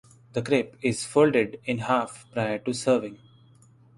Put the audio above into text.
The crepe is folded in half prior to serving.